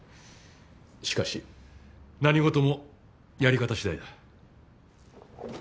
しかし何事もやり方次第だ。